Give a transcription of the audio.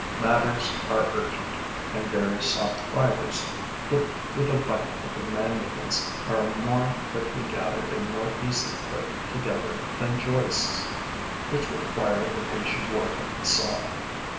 Matters are urgent; and very soft fibers, clipped with a bite of the mandibles, are more quickly gathered and more easily put together than joists, which require the patient work of the saw.